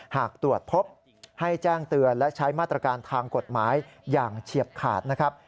หากตรวจพบให้แจ้งเตือนและใช้มาตรการทางกฎหมายอย่างเฉียบขาดนะครับ